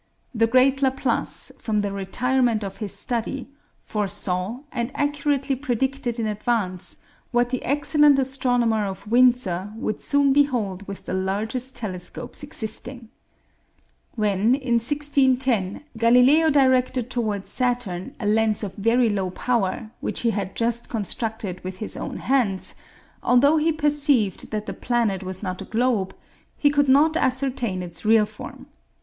The great Laplace, from the retirement of his study, foresaw, and accurately predicted in advance, what the excellent astronomer of Windsor would soon behold with the largest telescopes existing. When, in 1610, Galileo directed toward Saturn a lens of very low power which he had just constructed with his own hands, although he perceived that the planet was not a globe, he could not ascertain its real form.